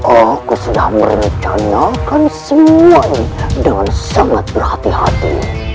aku sudah merencanakan semuanya dengan sangat berhati hati